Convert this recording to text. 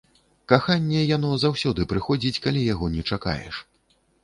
Каханне, яно заўсёды прыходзіць, калі яго не чакаеш.